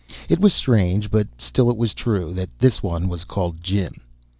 It was strange, but still it was true, that this one was called Jim.